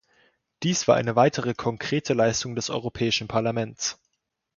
Dies war eine weitere konkrete Leistung des Europäischen Parlaments.